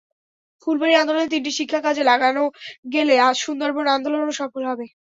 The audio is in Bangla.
ফুলবাড়ী আন্দোলনের তিনটি শিক্ষা কাজে লাগানো গেলে সুন্দরবন আন্দোলনও সফল হবে।